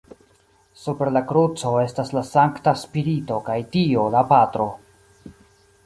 Super la kruco estas la Sankta Spirito kaj dio La Patro.